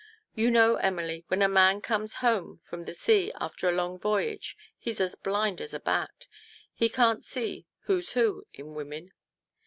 You know, Emily, when a man comes home from sea after a long voyage he's as blind as a bat he can't see who's who in women.